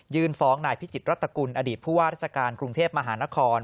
ฟ้องนายพิจิตรรัฐกุลอดีตผู้ว่าราชการกรุงเทพมหานคร